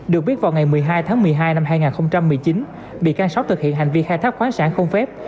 được biết vào ngày một mươi hai tháng một mươi hai năm hai nghìn một mươi chín bị can sáu thực hiện hành vi khai thác khoáng sản không phép